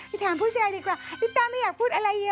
ถามผู้ชายดีกว่าลิต้าไม่อยากพูดอะไรเยอะ